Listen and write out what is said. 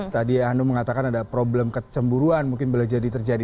tadi hanum mengatakan ada problem kecemburuan mungkin boleh jadi terjadi